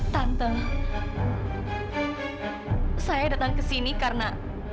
tante saya datang ke sini karena